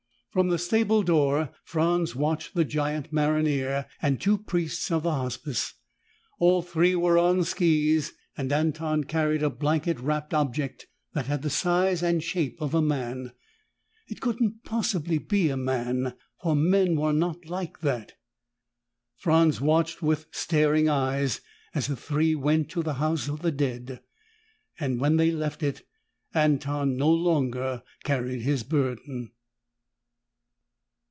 From the stable door Franz watched the giant maronnier and two priests of the Hospice. All three were on skis and Anton carried a blanket wrapped object that had the size and shape of a man. It couldn't possibly be a man, for men were not like that. Franz watched with staring eyes as the three went to the House of the Dead. When they left it, Anton no longer carried his burden.